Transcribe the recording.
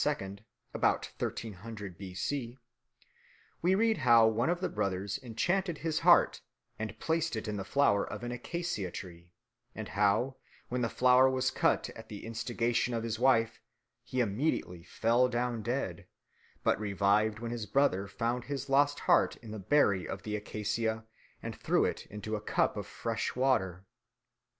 about 1300 B.C., we read how one of the brothers enchanted his heart and placed it in the flower of an acacia tree, and how, when the flower was cut at the instigation of his wife, he immediately fell down dead, but revived when his brother found the lost heart in the berry of the acacia and threw it into a cup of fresh water.